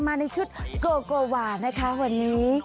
มาในชุดโกโกวานะคะวันนี้